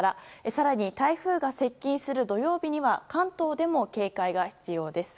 更に台風が接近する土曜日には関東でも警戒が必要です。